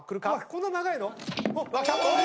こんな長いの⁉お！